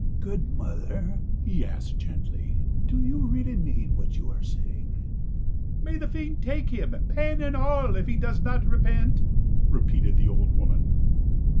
" Good mother," he asked gently, "do you really mean what you are saying ?"" May the fiend take him, pan and all, if he does not repent !" repeated the old woman.